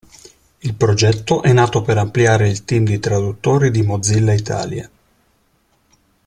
Il progetto è nato per ampliare il team di traduttori di Mozilla Italia.